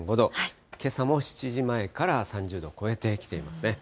けさも７時前から３０度を超えてきていますね。